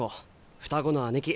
双子の姉貴。